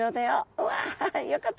うわよかった。